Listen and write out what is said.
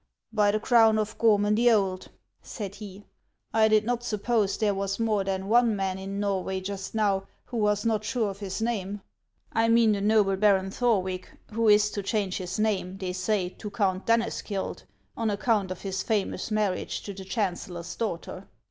By the crown of Gorman the Old," said he, " I did not suppose there was more than one man in Norway just now who was not sure of his name. I mean the noble Baron Thorwick. who is to change his name, thev say. to O •/ v ' Count Danneskiold, on account of his famous marriage to the chancellor's daughter.